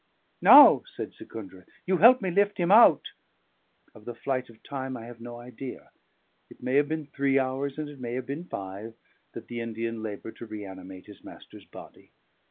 "Now," said Secundra, "you help me lift him out." Of the flight of time I have no idea; it may have been three hours, and it may have been five, that the Indian laboured to reanimate his master's body.